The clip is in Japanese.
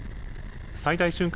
最大瞬間